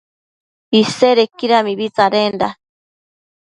Isedequida mibi tsadenda